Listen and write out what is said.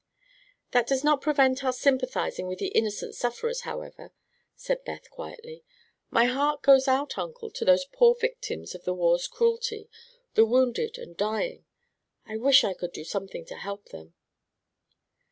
"That does not prevent our sympathizing with the innocent sufferers, however," said Beth quietly. "My heart goes out, Uncle, to those poor victims of the war's cruelty, the wounded and dying. I wish I could do something to help them!"